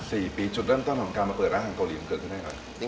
สี่ปีจุดเริ่มต้นของการมาเปิดร้านอาหารเกาหลีมันเกิดขึ้นได้ครับ